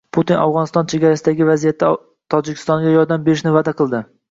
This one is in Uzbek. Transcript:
Putin Afg‘oniston chegarasidagi vaziyatda Tojikistonga yordam berishni va'da qildi